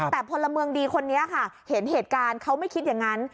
แต่พลเมืองดีคนนี้ค่ะเห็นเหตุการณ์เขาไม่คิดอย่างนั้น